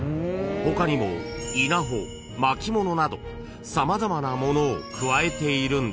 ［他にも稲穂巻物など様々なものをくわえているんです］